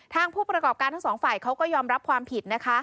ผู้ประกอบการทั้งสองฝ่ายเขาก็ยอมรับความผิดนะคะ